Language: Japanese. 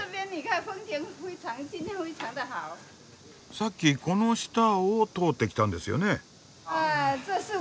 さっきこの下を通ってきたんですよね？